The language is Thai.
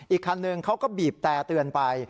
อีกคันหนึ่งเขาก็บีบแต่เตือนไป